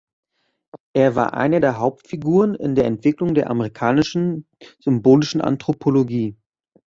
Er war einer der Hauptfiguren in der Entwicklung der amerikanischen „symbolischen Anthropologie“.